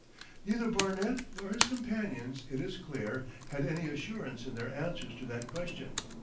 Neither Barnet nor his companions, it is clear, had any assurance in their answers to that question.